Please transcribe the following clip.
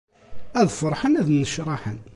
Ad ferḥen, ad nnecṛaḥen.